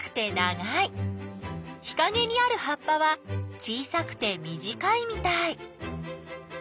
日かげにある葉っぱは小さくて短いみたい。